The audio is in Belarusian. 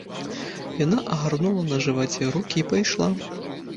Яна агарнула на жываце рукі і пайшла.